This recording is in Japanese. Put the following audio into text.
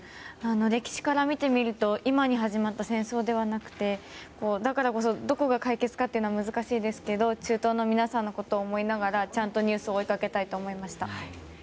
歴史から見てみると今に始まった戦争ではなくてだからこそどこが解決かって難しいですけど中東の皆さんを思いながらちゃんとニュースを追いかけたいと思いました。